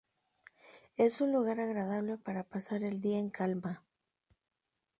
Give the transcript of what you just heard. Es un lugar agradable para pasar el día en calma.